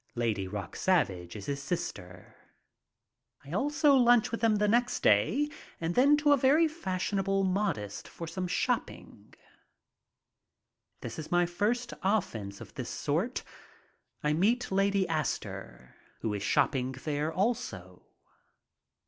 Lady Rock Savage is his sister. I also lunch with them the next day, and then to a very fashionable modiste's for some shopping. This is my first offense of this sort. I meet Lady Astor, who is shopping there also.